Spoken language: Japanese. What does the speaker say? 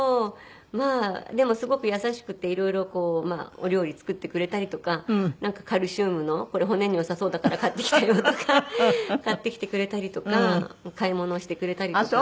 まあでもすごく優しくて色々お料理作ってくれたりとかカルシウムの「これ骨によさそうだから買ってきたよ」とか買ってきてくれたりとか買い物をしてくれたりとか。